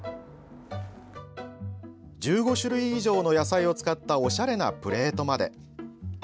１５種類以上の野菜を使った、おしゃれなプレートまで。